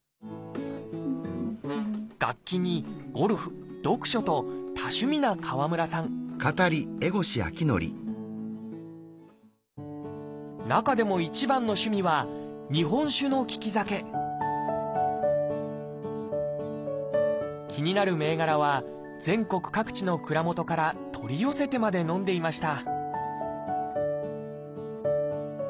楽器にゴルフ読書と多趣味な川村さん中でも一番の趣味は気になる銘柄は全国各地の蔵元から取り寄せてまで飲んでいました